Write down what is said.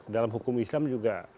dalam hukum islam juga